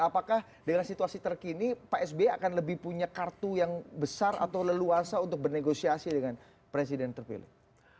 dan apakah dalam situasi terkini pak sbi akan lebih punya kartu yang besar atau leluasa untuk bernegosiasi dengan presiden terpilih